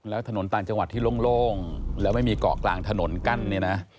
แล้วถนนต่างจังหวัดที่โล่งแล้วไม่มีเกาะกลางถนนกั้นเนี่ยนะ